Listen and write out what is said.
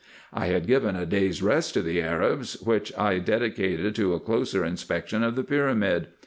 1 had given a day's rest to the Arabs, which 1 dedicated to a closer inspection of the pyramid.